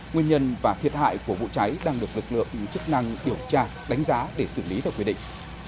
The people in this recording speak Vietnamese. nguyên nhân và thiệt hại của vụ cháy đang được lực lượng chức năng điều tra đánh giá để xử lý theo quy định